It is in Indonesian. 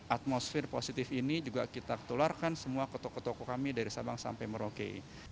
atmosfer positif ini juga kita ketularkan semua ketuk ketuk kami dari sabang sampai merauke